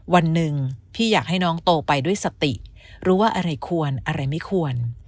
วันหนึ่งพี่อยากให้น้องโตไปด้วยสติรู้ว่าอะไรควรอะไรไม่ควร